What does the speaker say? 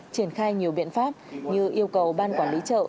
triển khai nhiều biện pháp như yêu cầu ban quản lý chợ